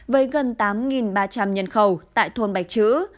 với gần tám ba trăm linh nhân khẩu tại thôn bạch chữ